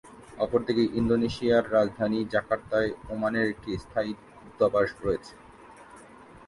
অপরদিকে, ইন্দোনেশিয়ার রাজধানী জাকার্তায় ওমানের একটি স্থায়ী দূতাবাস রয়েছে।